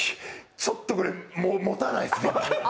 ちょっとこれ、もたないっすよ。